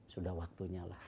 sudah waktunya lah